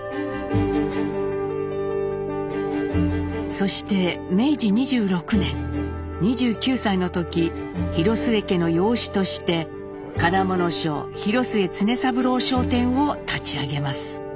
そして明治２６年２９歳の時広末家の養子として金物商広末常三郎商店を立ち上げます。